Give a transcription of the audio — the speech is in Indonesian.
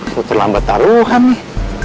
puter lambat taruhan nih